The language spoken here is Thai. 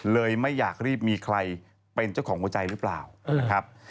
ไม่อยากรีบมีใครเป็นเจ้าของหัวใจหรือเปล่านะครับ